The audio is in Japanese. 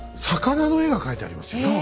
魚の絵が描いてありますよ。